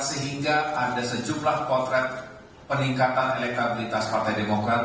sehingga ada sejumlah potret peningkatan elektabilitas partai demokrat